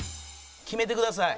決めてください。